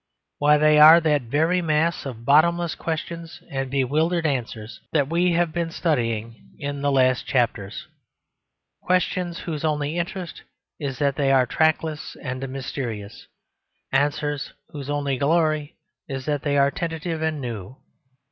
Why, they are that very mass of bottomless questions and bewildered answers that we have been studying in the last chapters questions whose only interest is that they are trackless and mysterious; answers whose only glory is that they are tentative and new.